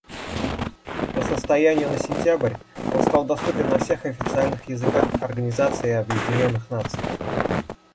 По состоянию на сентябрь он стал доступен на всех официальных языках Организации Объединенных Наций.